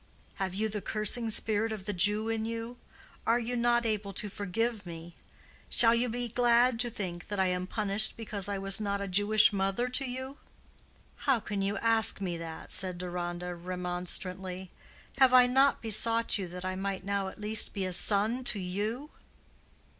Have you the cursing spirit of the Jew in you? Are you not able to forgive me? Shall you be glad to think that I am punished because I was not a Jewish mother to you?" "How can you ask me that?" said Deronda, remonstrantly. "Have I not besought you that I might now at least be a son to you?